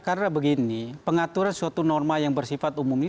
karena begini pengaturan suatu norma yang bersifat umum ini